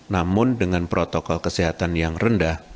namun dengan protokol kesehatan yang rendah